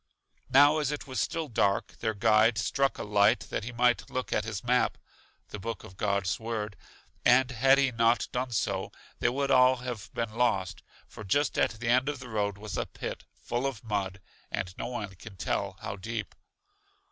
Now as it was still dark, their guide struck a light that he might look at his map (the book of God's Word); and had he not done so, they would all have been lost, for just at the end of the road was a pit, full of mud, and no one can tell how deep.